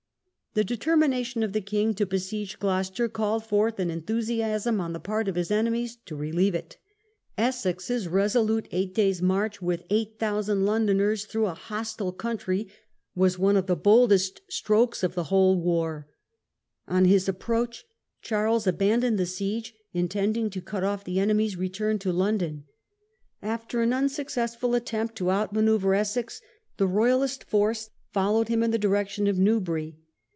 The determination of the king to besiege Gloucester called forth an enthusiasm on the part of his enemies to First Battle relieve it. Essex's resolute eight days* march of Newbury, with 8000 Londoners through a hostile country Sep. 30, 1643. ^^g ^^^ q£ ^i^g boldest strokes of the whole war. On his approach Charles abandoned the siege, intending to cut off the enemy's return to London. After an unsuccessful attempt to outmanoeuvre Essex the Royalist force followed him in the direction of Newbury.